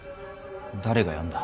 誰が呼んだ。